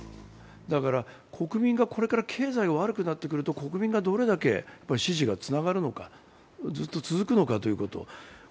だから、これから経済が悪くなってくると、国民がどれだけ支持がつながるのか、ずっと続くのかということ。